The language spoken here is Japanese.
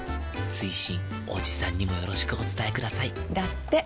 追伸おじさんにもよろしくお伝えくださいだって。